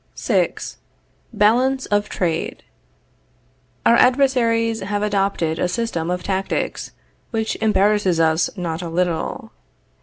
VI. BALANCE OF TRADE. Our adversaries have adopted a system of tactics, which embarrasses us not a little.